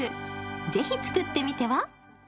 ぜひ、作ってみては？